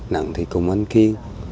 nặng thì cùng anh kiên